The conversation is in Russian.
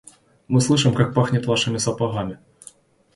Мы слышим, как пахнет вашими сапогами.